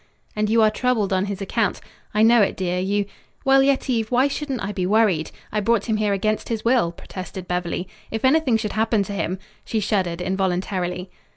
"And you are troubled on his account. I know it, dear. You " "Well, Yetive, why shouldn't I be worried? I brought him here against his will," protested Beverly. "If anything should happen to him " she shuddered involuntarily.